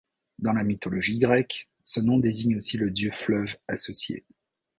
Dans la mythologie grecque, ce nom désigne aussi le dieu fleuve associé.